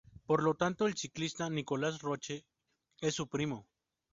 Por lo tanto el ciclista Nicolas Roche es su primo.